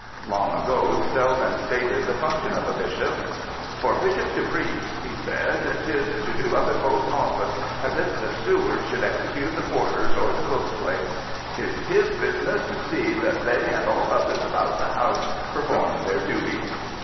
Long ago Selden stated the functions of a bishop. " For bishops to preach," he said, " 'tis to do other folks' oSice, as if the steward should execute the porter's or the cook's place. 'Tis his business to see that they and all others about the house perform their duties."